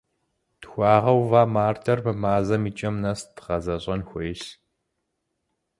Тхуагъэува мардэр мы мазэм и кӏэм нэс дгъэзэщӏэн хуейщ.